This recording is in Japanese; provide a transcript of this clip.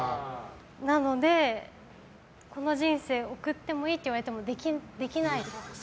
なので、この人生送ってもいいって言われてもできないです。